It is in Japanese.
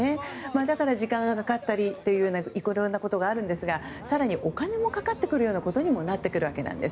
だから時間がかかったりなどあるのですが更にお金もかかってくるようなことにもなってくるわけなんです。